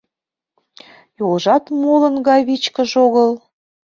Йолжат молын гай вичкыж огыл.